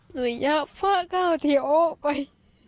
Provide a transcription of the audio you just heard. หนุ่ยยาฝ่าเข้าพี่โอ๊ะไป